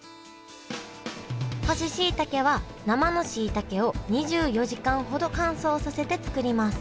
干ししいたけは生のしいたけを２４時間ほど乾燥させて作ります